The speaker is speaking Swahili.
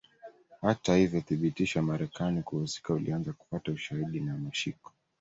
Hata hivyo uthibitisho wa Marekani kuhusika ulianza kupata ushahidi na mashiko